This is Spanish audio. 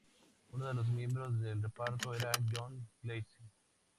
Uno de los miembros del reparto era John Cleese.